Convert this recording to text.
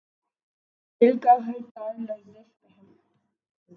دل کا ہر تار لرزش پیہم